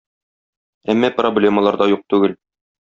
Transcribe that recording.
Әмма проблемалар да юк түгел.